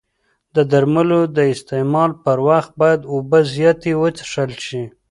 د درملو د استعمال پر وخت باید اوبه زیاتې وڅښل شي.